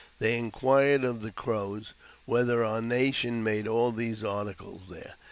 They inquired of the Crows whether our nation made all ose articles there.